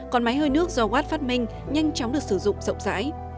còn máy hơi nước do watt phát minh nhanh chóng được sử dụng rộng rãi